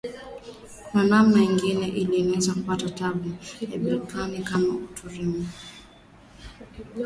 Akuna namna ingine ile inaweza ku tupa byakuria kama atu rime